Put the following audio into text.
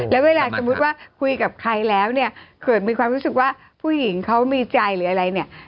แล้วเวลาสมมุติว่าคุยกับใครแล้วเนี่ยเกิดมีความรู้สึกว่าผู้หญิงเขามีใจหรืออะไรเนี่ย